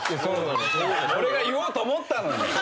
俺が言おうと思ったのに。